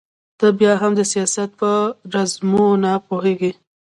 ته بيا هم د سياست په رموزو نه پوهېږې.